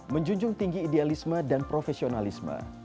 menjunjung tinggi idealisme dan profesionalisme